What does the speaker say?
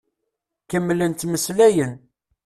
Kemmlen ttmeslayen.